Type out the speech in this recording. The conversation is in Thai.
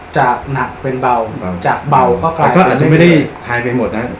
จากหนักเป็นเบาจากเบาก็กลายแต่ก็อาจจะไม่ได้คลายไปหมดนะ